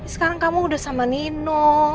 sekarang kamu udah sama nino